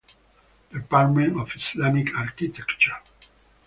Department of Islamic Architecture.